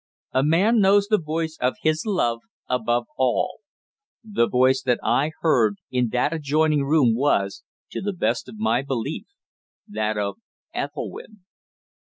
A man knows the voice of his love above all. The voice that I had heard in that adjoining room was, to the best of my belief, that of Ethelwynn.